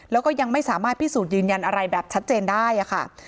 แล้วก็ยังไม่สามารถพิสูจน์ยืนยันอะไรแบบชัดเจนได้ค่ะ